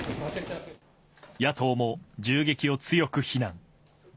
野党も銃撃を強く非難。